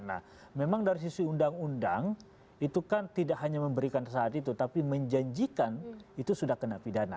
nah memang dari sisi undang undang itu kan tidak hanya memberikan saat itu tapi menjanjikan itu sudah kena pidana